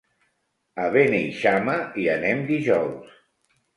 A Beneixama hi anem dijous.